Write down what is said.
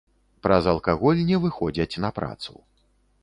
Праз алкаголь не выходзяць на працу.